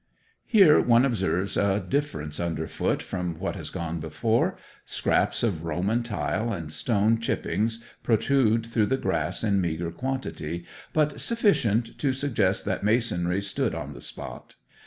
Here one observes a difference underfoot from what has gone before: scraps of Roman tile and stone chippings protrude through the grass in meagre quantity, but sufficient to suggest that masonry stood on the spot.